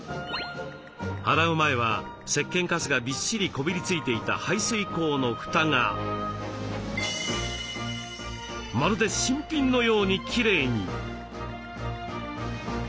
洗う前はせっけんカスがびっしりこびりついていた排水溝の蓋がまるで新品のようにきれいに。